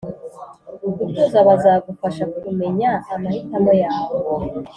gutuza bazagufasha kumenya amahitamo yawe